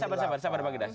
sabar sabar sabar pak gidas